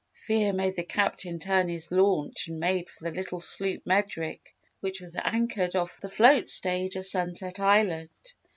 Fear made the Captain turn his launch and make for the little sloop Medric which was anchored off the float stage of Sunset Island.